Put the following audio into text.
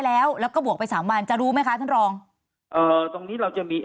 แล้วแล้วก็บวกไปสามวันจะรู้ไหมคะท่านรองเอ่อตรงนี้เราจะมี